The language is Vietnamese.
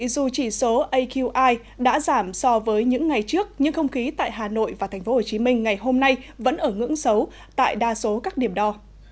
dù chỉ số aqi đã giảm so với những ngày trước nhưng không khí tại hà nội và tp hcm ngày hôm nay vẫn ở ngưỡng xấu tại đa số các điểm đo